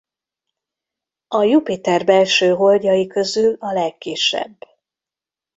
A Jupiter belső holdjai közül a legkisebb.